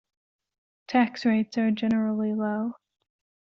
Tax rates are generally low.